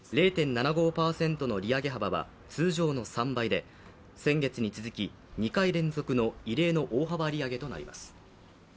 ０．７５％の利上げ幅は通常の３倍で先月に続き２回連続の大幅利上げとなります。